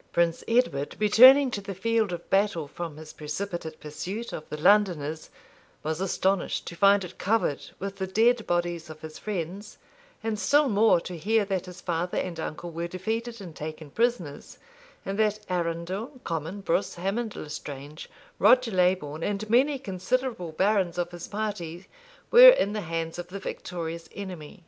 [] Prince Edward, returning to the field of battle from his precipitate pursuit of the Londoners, was astonished to find it covered with the dead bodies of his friends, and still more to hear that his father and uncle were defeated and taken prisoners, and that Arundel, Comyn, Brus, Hamond l'Estrange, Roger Leybourne, and many considerable barons of his party were in the hands of the victorious enemy.